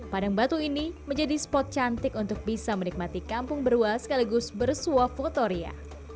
padang batu ini menjadi spot cantik untuk bisa menikmati kampung berwa sekaligus bersuah fotoria